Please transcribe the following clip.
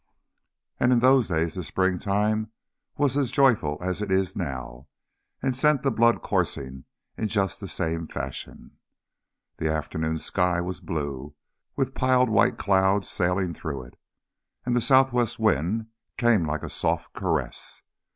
And in those days the spring time was as joyful as it is now, and sent the blood coursing in just the same fashion. The afternoon sky was blue with piled white clouds sailing through it, and the southwest wind came like a soft caress.